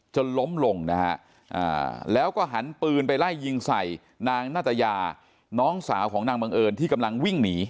จนล้มลงนะฮะแล้วก็หันปืนไปไล่ยิงใส่นางนาตยาน้องสาวของนางบังเอิญที่กำลังวิ่งหนี